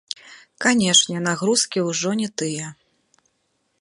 Канечне, нагрузкі ўжо не тыя.